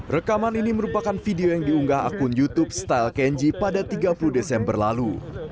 rekaman ini merupakan video yang diunggah akun youtube style kenji pada tiga puluh desember lalu